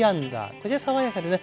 こちら爽やかでね